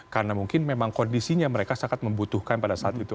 karena mungkin memang kondisinya mereka sangat membutuhkan pada saat itu